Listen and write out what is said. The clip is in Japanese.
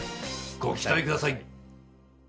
ご期待ください。